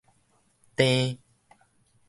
蹬